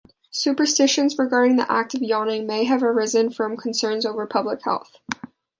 Superstitions regarding the act of yawning may have arisen from concerns over public health.